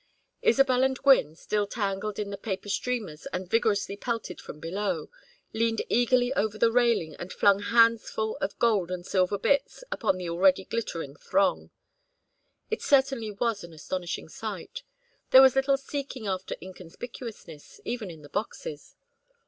Isabel and Gwynne, still tangled in the paper streamers and vigorously pelted from below, leaned eagerly over the railing and flung handsful of gold and silver bits upon the already glittering throng. It certainly was an astonishing sight. There was little seeking after inconspicuousness, even in the boxes.